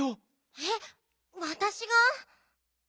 えっわたしが？